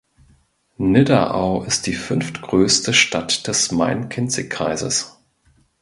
Nidderau ist die fünftgrößte Stadt des Main-Kinzig-Kreises.